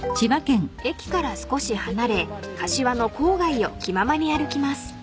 ［駅から少し離れ柏の郊外を気ままに歩きます］